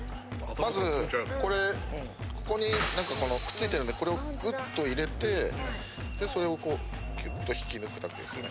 まずこれここに何かこのくっついてるんでこれをグッと入れてでそれをこうギュッと引き抜くだけですよね。